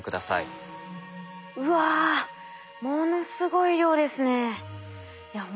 うわものすごい量ですね。